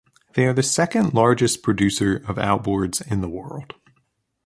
They are the second largest producer of outboards in the world.